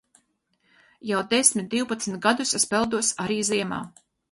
Jau desmit divpadsmit gadus es peldos arī ziemā.